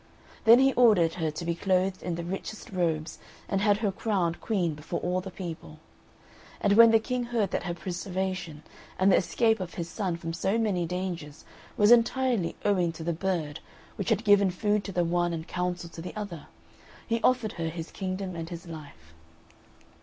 Then he ordered her to be clothed in the richest robes, and had her crowned Queen before all the people. And when the King heard that her preservation, and the escape of his son from so many dangers were entirely owing to the bird, which had given food to the one and counsel to the other, he offered her his kingdom and his life.